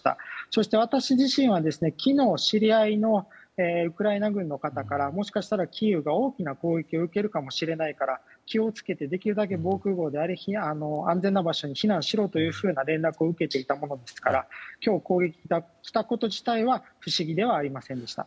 そして私自身は、昨日知り合いのウクライナ軍の方からもしかしたらキーウが大きな攻撃を受けるかもしれないから気を付けてできるだけ防空壕であったり安全な場所に避難しろと連絡を受けていたものですから今日、攻撃が来たこと自体は不思議ではありませんでした。